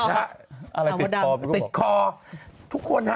ติดคอ